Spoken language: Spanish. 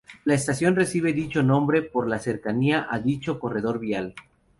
La estación recibe dicho nombre por la cercanía a dicho corredor vial.